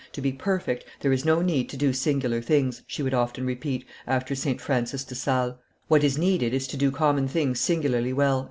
"To be perfect, there is no need to do singular things," she would often repeat, after St. Francis de Sales; "what is needed is to do common things singularly well!"